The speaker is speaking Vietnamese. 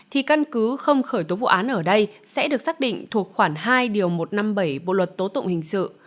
thì căn cứ không khởi tố vụ án ở đây sẽ được xác định thuộc khoảng hai điều một trăm năm mươi bảy bộ luật tố tụng hình sự